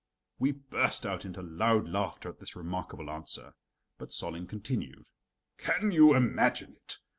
We burst out into loud laughter at this remarkable answer, but Solling continued: "Can you imagine it?